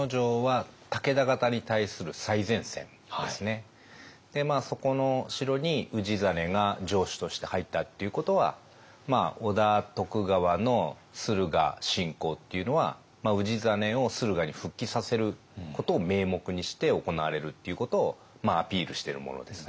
この牧野城はそこの城に氏真が城主として入ったっていうことは織田徳川の駿河侵攻っていうのは氏真を駿河に復帰させることを名目にして行われるっていうことをアピールしてるものですね。